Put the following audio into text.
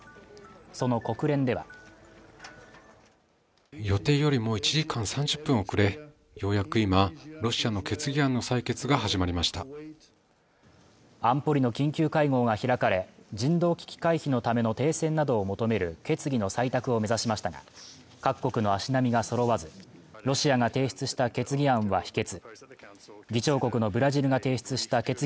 その国連では予定よりも１時間３０分遅れようやく今ロシアの決議案の採決が始まりました安保理の緊急会合が開かれ人道危機回避のための停戦などを求める決議の採択を目指しましたが各国の足並みがそろわずロシアが提出した決議案は否決